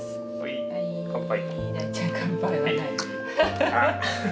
乾杯！